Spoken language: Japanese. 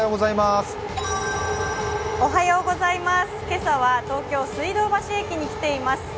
今朝は東京・水道橋駅に来ています。